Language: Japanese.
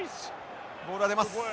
ボールが出ます。